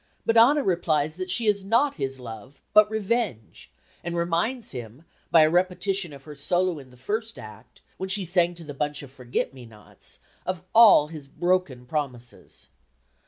but Anna replies that she is not his love but revenge, and reminds him, by a repetition of her solo in the first act, when she sang to the bunch of forget me nots, of all his broken promises.